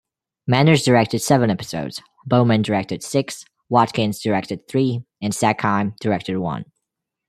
Manners directed seven episodes, Bowman directed six, Watkins directed three, and Sackheim directed one.